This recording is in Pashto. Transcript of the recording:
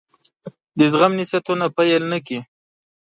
د زغم نصيحتونه پیل نه کړي.